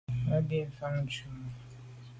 Á jí bɛ́n fá chàŋ mú.